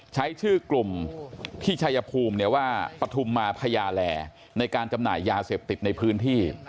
ใช้ชื่อกลุ่มที่ชายภูมิว่าปฐุมมาพญาแลในการจำหน่ายยาเสพติดในพื้นที่